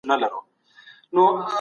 د ماشومانو پر وړاندې تاوتریخوالی جرم دی.